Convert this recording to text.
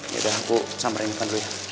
ya udah aku samberin ivan dulu ya